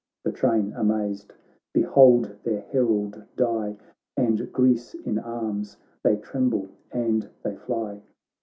The train, amazed, behold their herald die. And Greece in arms — they tremble and they fly.